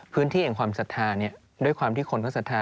พื้นที่แห่งความศรัทธาเนี่ยด้วยความที่คนเขาศรัทธา